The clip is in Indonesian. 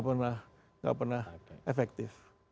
enggak pernah efektif